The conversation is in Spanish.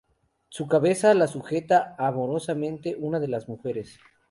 Su cabeza la sujeta amorosamente una de las mujeres.